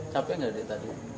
capek nggak tadi